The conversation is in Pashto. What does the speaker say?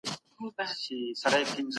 والدین باید صبر ولري.